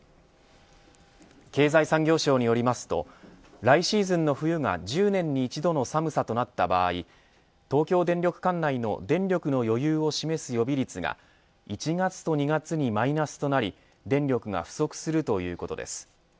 経済産業省によりますと来シーズンの冬が１０年に一度の寒さとなった場合東京電力管内の電力の余裕を示す予備率が１月と２月にマイナスとなり電力が不足するということです。